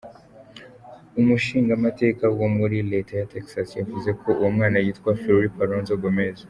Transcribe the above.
Umushingamateka wo muri leta ya Texas yavuze ko uwo mwana yitwa Felipe Alonzo-Gomez.